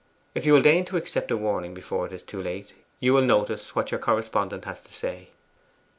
If you will deign to accept a warning before it is too late, you will notice what your correspondent has to say.